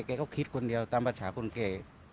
แกก็คิดคนเดียวตามประสาทคนแก